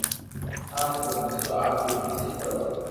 آپ رو مسلو آپ اي سھو ڪرو